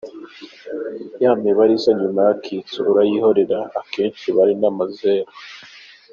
Ya mibare iza inyuma y’akitso urayihorera akenshi iba ari n’amazero.